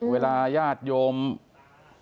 เวลาแย๓๐เท่าน้าจำ่วส